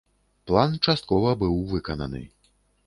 План часткова быў выкананы.